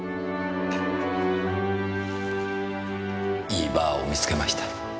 いいバーを見つけました。